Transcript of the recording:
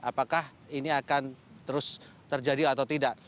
apakah ini akan terus terjadi atau tidak